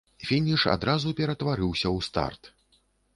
Фініш адразу ператварыўся ў старт.